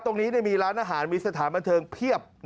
ตรงนี้มีร้านอาหารมีสถานบันเทิงเพียบ